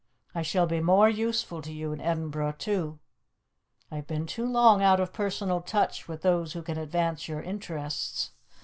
I shall be more useful to you in Edinburgh, too. I have been too long out of personal touch with those who can advance your interests.